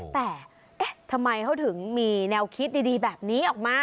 แต่ทำไมเขาถึงมีแนวคิดดีแบบนี้ออกมา